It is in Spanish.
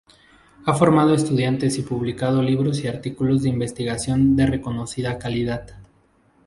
Ha formado estudiantes y publicado libros y artículos de investigación de reconocida calidad.